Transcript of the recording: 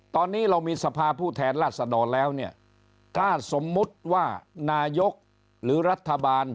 ตอนนี้เรามีสภาผู้แทนราชดรแล้วเนี่ยถ้าสมมุติว่านายกหรือรัฐบาล